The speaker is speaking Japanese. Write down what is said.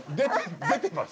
出てます。